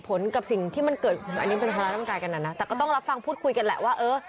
พูนเรียกพี่ท็อคพี่ท็อคมายตอนไหนกว่า